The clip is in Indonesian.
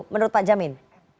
menurut pak jamin